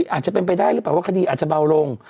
อาจจะเป็นไปได้หรือเปล่าว่าคดีอาจจะเบาลง